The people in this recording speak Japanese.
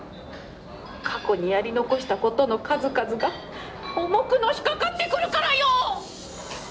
過去にやり残したことの数々が重くのしかかってくるからよ！